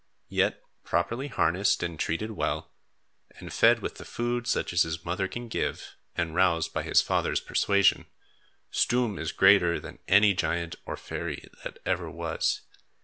Yet properly harnessed and treated well, and fed with the food such as his mother can give, and roused by his father's persuasion, Stoom is greater than any giant or fairy that ever was.